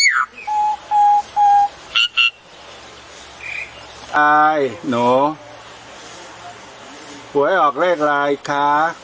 อ้ายหนูหัวให้ออกเลขลายอีกค่ะ